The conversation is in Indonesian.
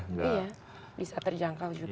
iya bisa terjangkau juga